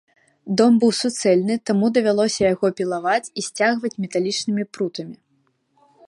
Дом быў суцэльны, таму давялося яго пілаваць і сцягваць металічнымі прутамі.